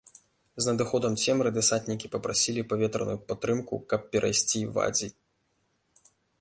З надыходам цемры дэсантнікі папрасілі паветраную падтрымку, каб перайсці вадзі.